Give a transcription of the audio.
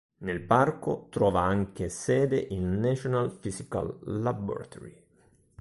Nel parco trova anche sede il National Physical Laboratory.